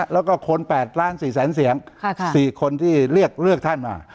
แล้วก็คน๘๔๐๐๐๐๐เสียงสี่คนที่เลือกท่านมา